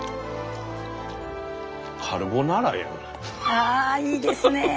あいいですね！